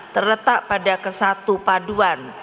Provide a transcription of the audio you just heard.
terletak pada kesatu paduan